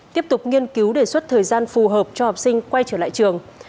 tiếp tục nghiên cứu đề xuất thời gian phù hợp cho học sinh quay trở lại trường